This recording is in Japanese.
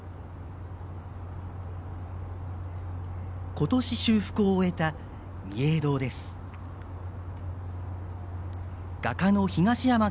今年、修復を終えた御影堂です。